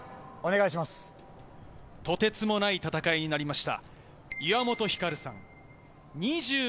そして、とてつもない戦いになりました。